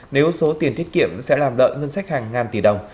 nếu số tiền tiết kiệm sẽ làm nợ ngân sách hàng ngàn tỷ đồng